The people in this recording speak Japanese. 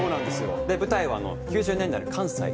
舞台は９０年代の関西。